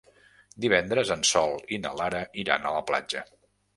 Divendres en Sol i na Lara iran a la platja.